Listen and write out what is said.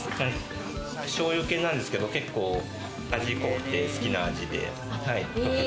しょうゆ系なんですけれど、結構味濃くて、好きな味で。